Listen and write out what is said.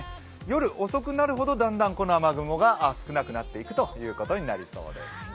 夜遅くなるほどこの雨雲が少なくなっていくことになりそうです。